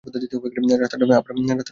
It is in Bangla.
রাস্তাটা আমার মনে আছে!